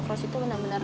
gak ada yang mau nanya